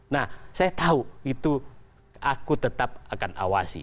nah saya tahu itu aku tetap akan awasi